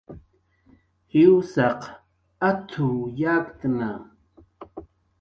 "Jwsaq at""w yakktna"